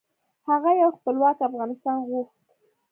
هغه یو خپلواک افغانستان غوښت .